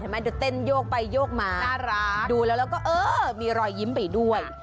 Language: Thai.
เดี๋ยวเต้นโยกไปโยกมาน่ารักดูแล้วแล้วก็เออมีรอยยิ้มไปด้วย